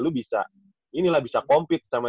lu bisa inilah bisa compete sama